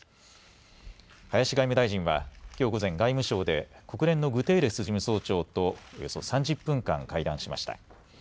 林外務大臣はきょう午前、外務省で国連のグテーレス事務総長と、およそ３０分間、会談しました。